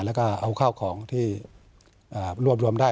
แล้วก็เอาข้าวของที่รวบรวมได้